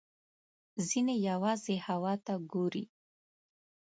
ځینې یوازې هوا ته ګوري.